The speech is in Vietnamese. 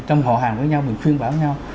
trong họ hàng với nhau mình khuyên bảo nhau